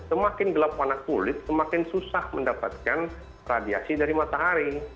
semakin gelap anak kulit semakin susah mendapatkan radiasi dari matahari